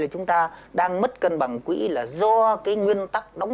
chúng ta đang mất cân bằng quỹ là do cái nguyên tắc đóng hưởng nó quyết định